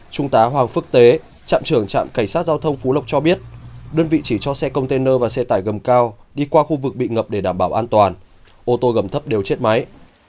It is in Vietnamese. trung tá hoàng phước tế trạm trưởng trạm cảnh sát giao thông phú lộc cho biết đơn vị chỉ cho xe container và xe tải gầm cao đi qua khu vực bị ngập để đảm bảo an toàn ô tô gầm thấp đều chết máy